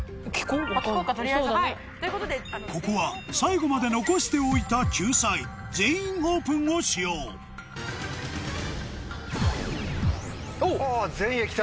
ここは最後まで残しておいた救済「全員オープン」を使用全員「液体」。